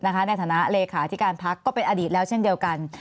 ในฐานะเลขาที่การพักก็เป็นอดีตแล้วเช่นเดียวกัน